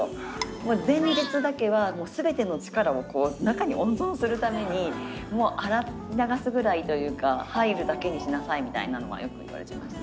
もう前日だけは全ての力をこう中に温存するためにもう洗い流すぐらいというか入るだけにしなさいみたいなのはよく言われてました。